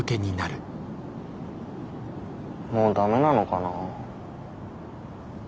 もう駄目なのかな？